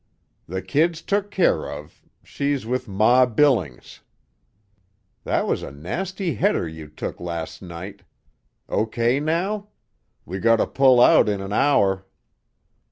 "The kid's took care of! She's with Ma Billings. That was a nasty header you took last night. O. K. now? We gotter pull out in an hour."